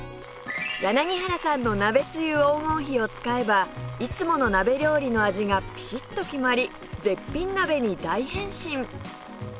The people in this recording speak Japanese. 柳原さんの鍋つゆ黄金比を使えばいつもの鍋料理の味がピシッと決まり絶品鍋に大変身！